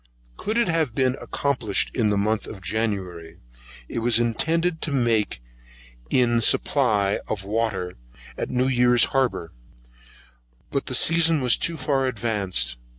Could it have been accomplished in the month of January, it was intended to take in a supply of water at New Year's harbour, but the season was too far advanced.